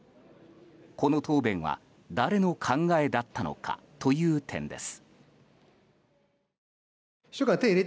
この答弁は誰の考えだったのか？という点です。